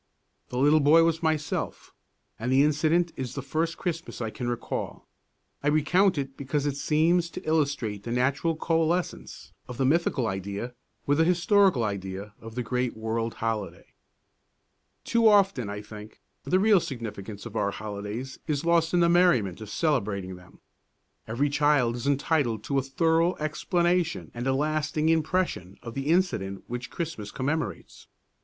The little boy was myself, and the incident is the first Christmas that I can recall. I recount it because it seems to illustrate the natural coalescence of the mythical idea with the historical idea of the great world holiday. Too often, I think, the real significance of our holidays is lost in the merriment of celebrating them. Every child is entitled to a thorough explanation and a lasting impression of the incident which Christmas commemorates.